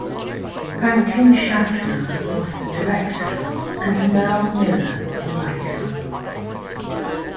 Franklin Schaffner was the director and Merle Miller the writer.